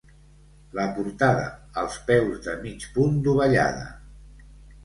La portada als peus de mig punt dovellada.